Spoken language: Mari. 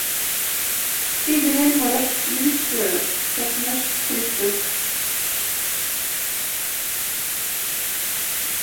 Тый денет модаш лӱдыкшӧ, — чакныш пристав.